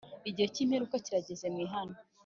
Igihe kimperuka kirageze ni mwihane